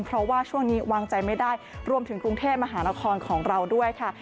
เพราะว่าช่วงนี้วางใจไม่ได้รวมถึงกรุงเทพมหานครของเราด้วยค่ะ